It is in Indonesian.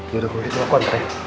ya udah gue di rumah aku antre